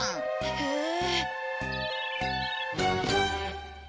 へえ。